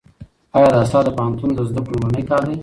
ایا دا ستا د پوهنتون د زده کړو لومړنی کال دی؟